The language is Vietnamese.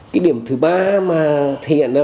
cái điểm thứ ba mà thể hiện là